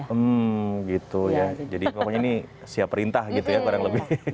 hmm gitu ya jadi pokoknya ini siap perintah gitu ya kurang lebih